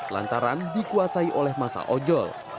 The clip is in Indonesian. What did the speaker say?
lantaran dikuasai oleh masa ojol